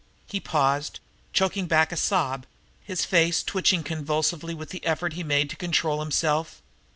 He paused, choking back a sob, his face twitching convulsively with the effort he made to control himself.